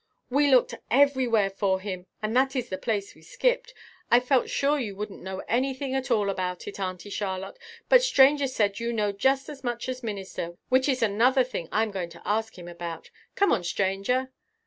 "We looked everywhere for him and that is the place we skipped. I felt sure you wouldn't know anything at all about it, Auntie Charlotte, but Stranger said you know just as much as Minister, which is another thing I am going to ask him about. Come on, Stranger."